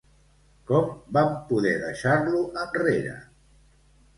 Com van poder deixar-lo enrere?